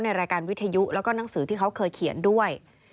ในรายการวิทยุแล้วก็หนังสือที่เขาเคยเขียนด้วย